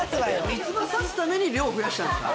三つ葉さすために量増やしたんですか？